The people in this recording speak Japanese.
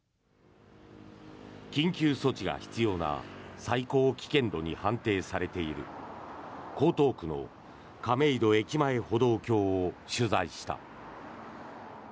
緊急措置が必要な最高危険度に判定されている江東区の亀戸駅前歩道橋を取材した。